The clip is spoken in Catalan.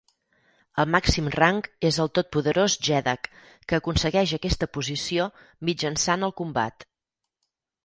El màxim rang és el tot poderós Jeddak, que aconsegueix aquesta posició mitjançant el combat.